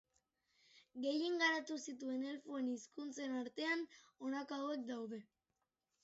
Gehien garatu zituen elfoen hizkuntzen artean, honako hauek daude.